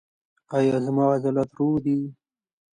ایا زما عضلات روغ دي؟